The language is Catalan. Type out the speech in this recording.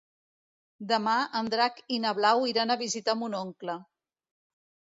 Demà en Drac i na Blau iran a visitar mon oncle.